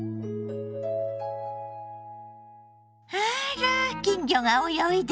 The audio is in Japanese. あら金魚が泳いでるわ！